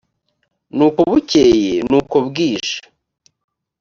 n uko bukeye n uko bwije